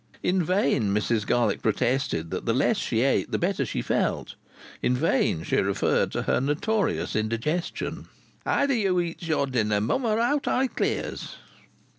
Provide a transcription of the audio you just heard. In vain Mrs Garlick protested that the less she ate the better she felt; in vain she referred to her notorious indigestion. "Either you eats your dinner, mum, or out I clears!"